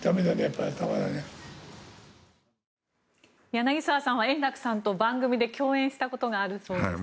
柳澤さんは円楽さんと番組で共演したことがあるそうですね。